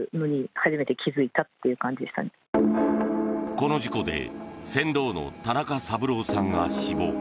この事故で船頭の田中三郎さんが死亡。